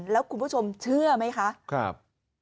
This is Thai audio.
แล้วก็ให้น้ำจากบ้านเขาลงคลอมผ่านที่สุดท้าย